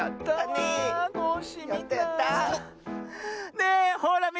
ねえほらみた？